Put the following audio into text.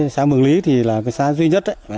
xã mường lý thì là cái xã duy nhất